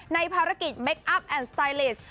ในภารกิจเมคอัพแอนด์สไตลิส